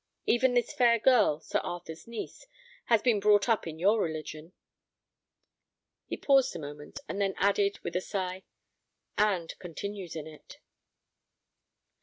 Even this fair girl, Sir Arthur's niece, has been brought up in your religion;" he paused a moment, and then added, with a sigh, "and continues in it."